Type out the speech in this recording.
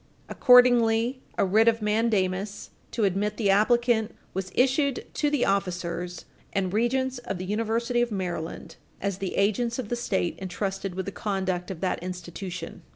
Accordingly, a writ of mandamus to admit the applicant was issued to the officers and Page 305 U. S. 346 regents of the University of Maryland as the agents of the State entrusted with the conduct of that institution.